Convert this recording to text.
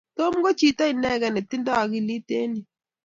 Tom ko chito inegee netindoi akilit eng nyu